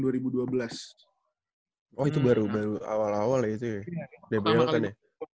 oh itu baru baru awal awal ya itu dbl kan ya